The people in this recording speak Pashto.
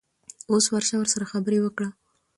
اوس ورشه ورسره خبرې وکړه.